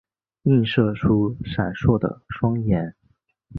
映射出闪烁的双眼